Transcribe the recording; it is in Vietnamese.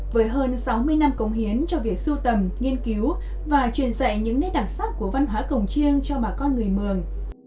với hơn sáu mươi năm công hiến cho việc sưu tầm nghiên cứu và truyền dạy những nét đặc sắc của văn hóa cổng chiêng cho bà con người mường